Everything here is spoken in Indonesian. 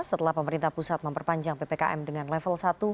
setelah pemerintah pusat memperpanjang ppkm dengan level satu